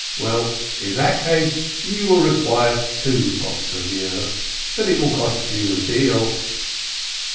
Well, in that case, you will require two pots of the earth, but it will cost you a deal."